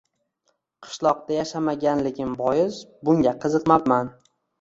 Qishloqda yashamaganligim bois bunga qiziqmabman